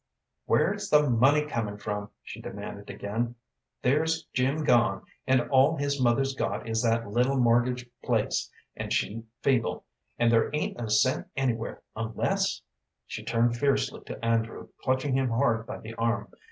"Where's the money comin' from?" she demanded again. "There's Jim gone, and all his mother's got is that little, mortgaged place, and she feeble, and there ain't a cent anywhere, unless " She turned fiercely to Andrew, clutching him hard by the arm.